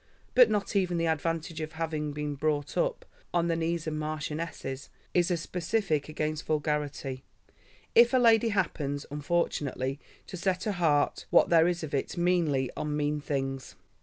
But not even the advantage of having been brought up "on the knees of marchionesses" is a specific against vulgarity, if a lady happens, unfortunately, to set her heart, what there is of it, meanly on mean things.